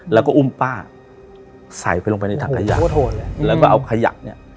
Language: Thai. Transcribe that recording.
แล้วก็อุ้มป้าใส่ไปลงไปในถังขยะแล้วก็เอาขยะเนี่ย